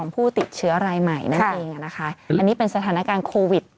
ผู้ติดเชื้อรายใหม่นั่นเองนะคะอันนี้เป็นสถานการณ์โควิด